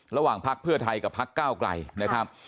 ระหว่างพักเพื่อไทยกับพักก้าวกลาย